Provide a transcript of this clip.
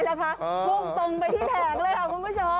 ิวงตรงไปที่แหน่งเลยหรอคุณผู้ชม